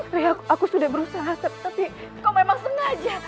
rai aku sudah berusaha tapi kau memang sengaja